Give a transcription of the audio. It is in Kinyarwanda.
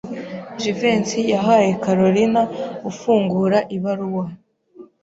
Jivency yahaye Kalorina ufungura ibaruwa.